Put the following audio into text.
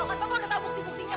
bapak udah tahu bukti buktinya